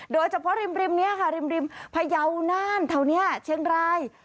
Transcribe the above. โดยเฉพาะริมนี้ค่ะริมพยาวน่านแถวนี้เชียงราย